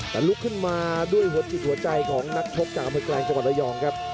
แต่ลุกขึ้นมาด้วยหัวจิตหัวใจของนักชกจากอำเภอกลางจังหวัดระยองครับ